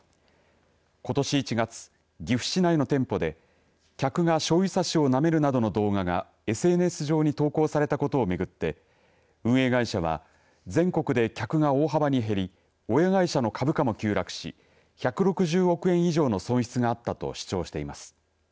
ことし１月、岐阜市内の店舗で客がしょうゆさしをなめるなどの動画がＳＮＳ上に投稿されたことを巡って運営会社は全国で客が大幅に減り親会社の株価も急落し１６０億円以上の損失があったと主張しています。